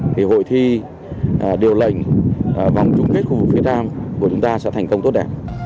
thì hội thi điều lệnh bắn súng kết khu vực phía nam của chúng ta sẽ thành công tốt đẹp